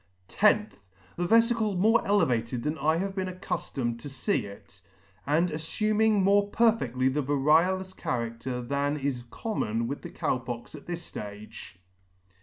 10th. The veficle more elevated than I have been accuflomed to fee it, and affuming more perfectly the variolous character than is common with the Cow Pox at this ftage.